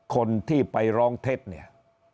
คนที่ไปร้องเท็จเนี่ย